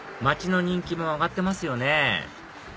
街の人気も上がってますよね